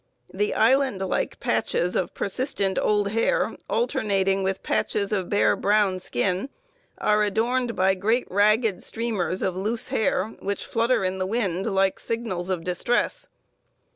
The island like patches of persistent old hair alternating with patches of bare brown skin are adorned (?) by great ragged streamers of loose hair, which flutter in the wind like signals of distress.